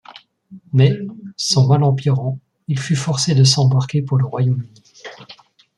Mais, son mal empirant, il fut forcé de s'embarquer pour le Royaume-Uni.